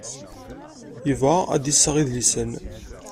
Yebɣa ad d-iseɣ idlisen.